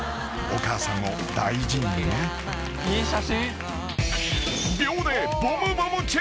［お母さんを大事にね］